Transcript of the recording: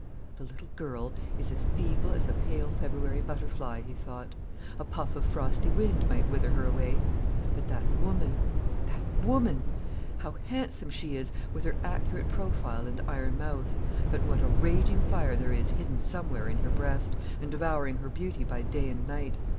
"The little girl is as feeble as a pale February butterfly." he thought; "a puff of frosty wind might wither her away. But that woman, that woman how handsome she is, with her accurate profile and iron mouth; but what a raging fire there is hidden somewhere in her breast, and devouring her beauty by day and night!